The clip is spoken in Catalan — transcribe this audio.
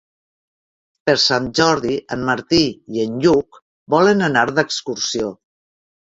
Per Sant Jordi en Martí i en Lluc volen anar d'excursió.